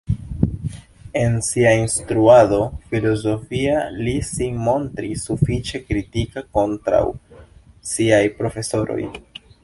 En sia instruado filozofia li sin montris sufiĉe kritika kontraŭ siaj profesoroj.